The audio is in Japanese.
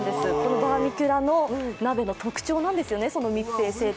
バーミキュラの鍋の特徴なんですよね。